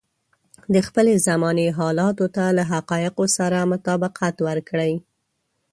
د خپلې زمانې حالاتو ته له حقايقو سره مطابقت ورکړي.